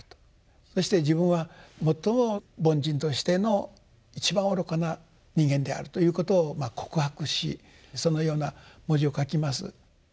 そして自分は最も凡人としての一番愚かな人間であるということを告白しそのような文字を書きます。